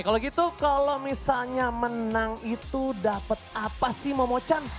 kalau gitu kalau misalnya menang itu dapat apa sih momocan